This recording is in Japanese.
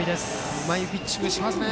うまいピッチングしますね。